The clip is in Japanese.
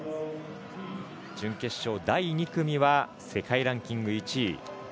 準決勝、第２組は世界ランキング１位。